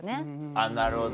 あっなるほど。